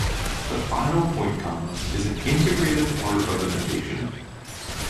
The final point-comma is an integrated part of the notation.